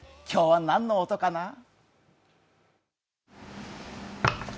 今日は何の音かな？